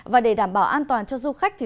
và để đảm bảo an toàn cho du khách